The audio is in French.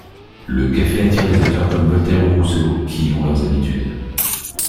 Le café attire des auteurs comme Voltaire ou Rousseau, qui y ont leurs habitudes.